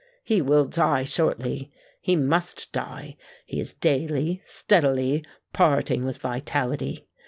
He will die shortly—he must die—he is daily, steadily parting with vitality.